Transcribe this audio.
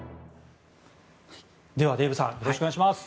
ではデーブさんよろしくお願いします。